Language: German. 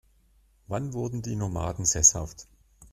Wann wurden die Nomaden sesshaft?